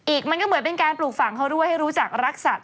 มันก็เหมือนเป็นการปลูกฝั่งเขาด้วยให้รู้จักรักสัตว